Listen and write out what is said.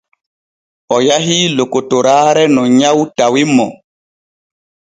O yahii lokotoraare no nyaw tawi mo.